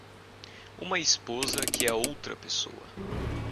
uma esposa que é outra pessoa